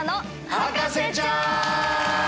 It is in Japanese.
『博士ちゃん』！